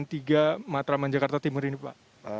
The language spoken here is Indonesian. bagaimana perkembangan di matraman jakarta timur ini pak